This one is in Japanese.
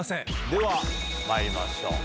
ではまいりましょう。